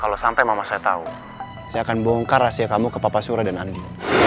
kalau sampai mama saya tahu saya akan bongkar rahasia kamu ke papa sura dan andi